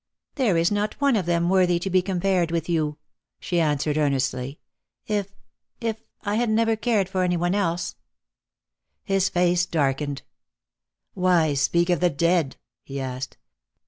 " There is not one of them worthy to be compared with you," she answered earnestly. " If — if I had never cared for any one else —" His face darkened. " Why speak of the dead ?" he asked.